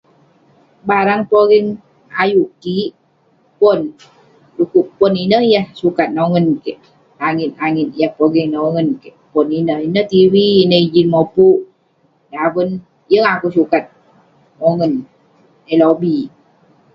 barang pogeng ayuk kik, pon, du'kuk pon ineh yah sukat nongen kik langit langit ,yah pogeng nongen keik, pon ineh.ineh tv,ineh ijin mopuk daven, yeng akouk sukat mongen eh lobik